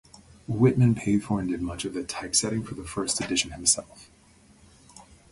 Whitman paid for and did much of the typesetting for the first edition himself.